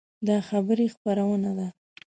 دا خبري خپرونه ده